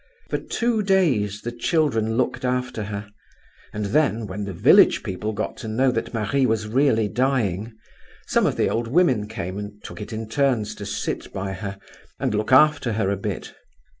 "For two days the children looked after her, and then, when the village people got to know that Marie was really dying, some of the old women came and took it in turns to sit by her and look after her a bit.